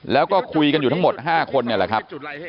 แล้วก็คุยกันอยู่ทั้งหมด๕คนนี่แหละครับ